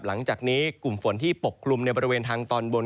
หลังจากนี้กลุ่มฝนที่ปกคลุมในบริเวณทางตอนบน